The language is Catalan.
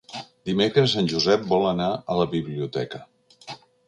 Dimecres en Josep vol anar a la biblioteca.